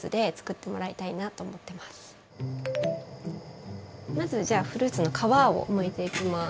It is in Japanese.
まずじゃあフルーツの皮をむいていきます。